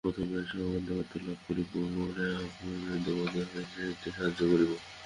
প্রথমে এস, আমরা দেবত্ব লাভ করি, পরে অপরকে দেবতা হইতে সাহায্য করিব।